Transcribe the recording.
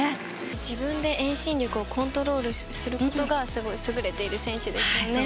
自分で遠心力をコントロールすることが優れている選手です。